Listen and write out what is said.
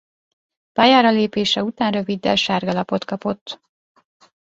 Pályára lépése után röviddel sárga lapot kapott.